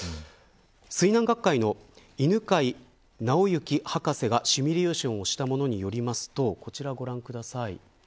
水難学会の犬飼直之博士がシミュレーションをしたものによるとこちらをご覧ください。